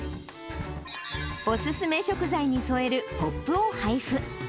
お勧め食材に添えるポップを配布。